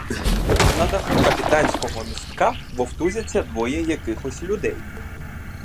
На даху капітанського містка вовтузяться двоє якихось людей.